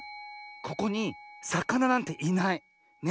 ここにさかななんていない。ね。